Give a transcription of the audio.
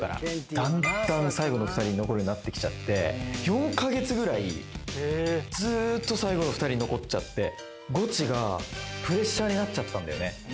だんだん最後の２人に残るようになってきちゃって、４か月ぐらい、ずっと最後の２人に残っちゃって、ゴチがプレッシャーになっちゃったんだよね。